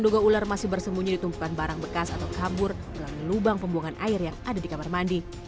menduga ular masih bersembunyi di tumpukan barang bekas atau kabur melalui lubang pembuangan air yang ada di kamar mandi